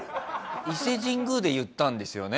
伊勢神宮で言ったんですよね？